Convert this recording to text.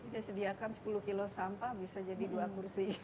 jadi dia sediakan sepuluh kilo sampah bisa jadi dua kursi